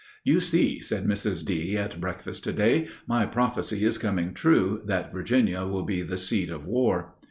"You see," said Mrs. D. at breakfast to day, "my prophecy is coming true that Virginia will be the seat of war."